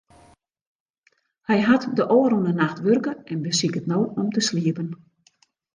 Hy hat de ôfrûne nacht wurke en besiket no om te sliepen.